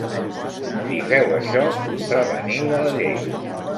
Si feu això contraveniu a la llei.